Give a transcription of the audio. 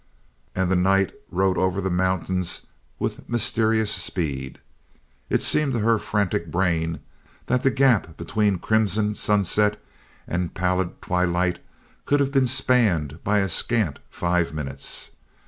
And the night rode over the mountains with mysterious speed. It seemed to her frantic brain that the gap between crimson sunset and pallid twilight could have been spanned by a scant five minutes.